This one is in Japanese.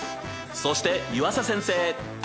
そして湯浅先生！